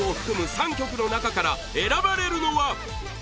３曲の中から選ばれるのは？